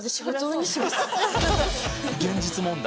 現実問題。